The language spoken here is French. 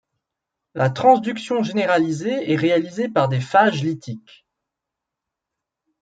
La transduction généralisée est réalisée par des phages lytiques.